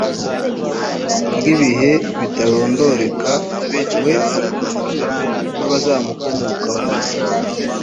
ry ibihe bitarondoreka we n abazamukomokaho